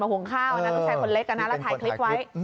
มาห่วงข้าวอะนะผู้ชายคนเล็กอะนะแล้วถ่ายคลิปไว้